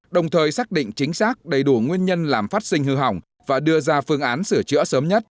đồng thời xác định chính xác đầy đủ nguyên nhân làm phát sinh hư hỏng và đưa ra phương án sửa chữa sớm nhất